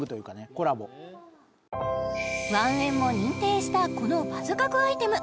コラボワンエンも認定したこのバズ確アイテム